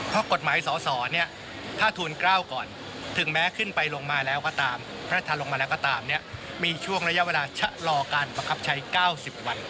เพราะกฎหมายสอสอเนี่ยถ้าทูล๙ก่อนถึงแม้ขึ้นไปลงมาแล้วก็ตามพระราชทานลงมาแล้วก็ตามเนี่ยมีช่วงระยะเวลาชะลอการประคับใช้๙๐วัน